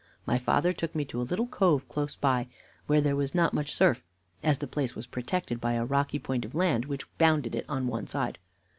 My father took me to a little cove close by, where there was not much surf, as the place was protected by a rocky point of land which bounded it on one side.